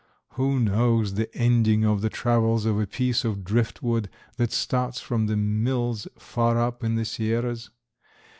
Who knows the ending of the travels of a piece of driftwood that starts from the mills far up in the Sierras?